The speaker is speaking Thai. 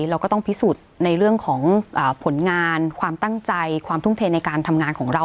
เราก็ต้องพิสูจน์ในเรื่องของผลงานความตั้งใจความทุ่มเทในการทำงานของเรา